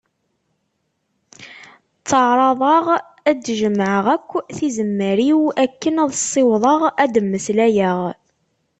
Tteɛraḍeɣ ad d-jemmɛeɣ akk tizemmar-iw akken ad ssiwḍeɣ ad d-mmeslayeɣ.